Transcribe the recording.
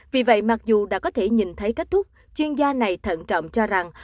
vì vậy mặc dù đã có thể nhìn thấy kết thúc chuyên gia này thận trọng cho rằng